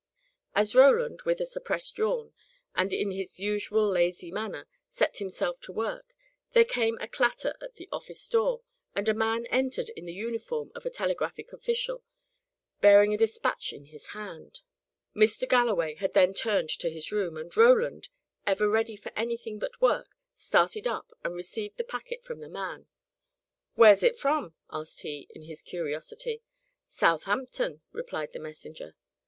As Roland, with a suppressed yawn, and in his usual lazy manner, set himself to work, there came a clatter at the office door, and a man entered in the uniform of a telegraphic official, bearing a despatch in his hand. Mr. Galloway had then turned to his room, and Roland, ever ready for anything but work, started up and received the packet from the man. "Where's it from?" asked he, in his curiosity. "Southampton," replied the messenger.